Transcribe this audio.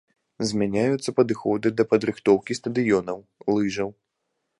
Змяняюцца падыходы да падрыхтоўкі стадыёнаў, лыжаў.